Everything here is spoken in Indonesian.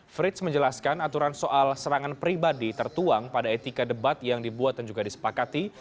frits menjelaskan aturan soal serangan pribadi tertuang pada etika debat yang dibuat dan juga disepakati